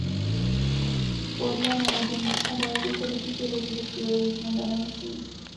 Podle ladění a délky se totiž rozlišuje význam daného slova.